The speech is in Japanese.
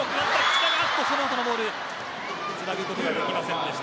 このボールはつなぐことができませんでした。